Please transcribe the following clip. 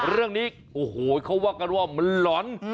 เรื่องนี้โอ้โหเขาว่ากันว่ามันหลอน